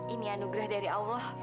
ini anugerah dari allah